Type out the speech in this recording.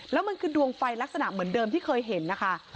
แล้วมันคือดวงไฟลักษณะเหมือนเดิมที่เคยเห็นนะคะ